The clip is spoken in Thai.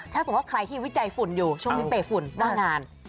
ถ้าสมมุติว่าใครที่วิจัยฝุ่นอยู่ช่วงนี้เปย์ฝุ่นว่างงาน